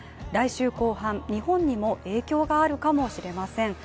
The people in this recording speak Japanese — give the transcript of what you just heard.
来週後半、日本にも影響があるかもしれません。